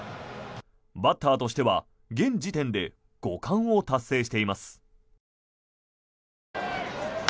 バッターとしては現時点で５冠を達成しています。